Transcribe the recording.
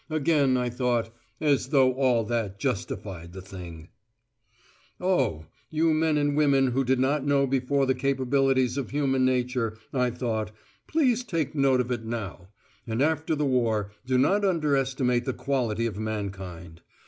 Again I thought, as though all that justified the thing! Oh! you men and women who did not know before the capabilities of human nature, I thought, please take note of it now; and after the war do not underestimate the quality of mankind.